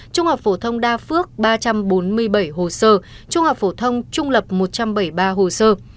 trung học phổ thông đa phước ba trăm bốn mươi bảy hồ sơ trung học phổ thông trung lập một trăm bảy mươi ba hồ sơ